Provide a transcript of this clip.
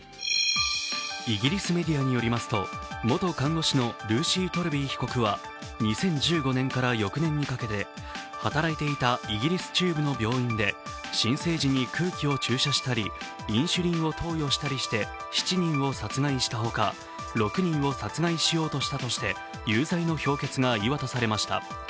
イギリスメディアによりますと、元看護師のルーシー・トレビ被告は２０１５年から翌年にかけて働いていたイギリス中部の病院で新生児に空気を注射したり、インシュリンを投与したりして７人を殺害したほか、６人を殺害しようとしたとして有罪の評決が言い渡されました。